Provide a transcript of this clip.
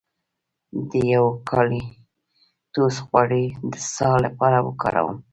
د یوکالیپټوس غوړي د ساه لپاره وکاروئ